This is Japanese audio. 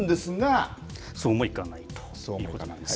っそうもいかないということなんです。